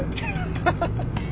ハハハ！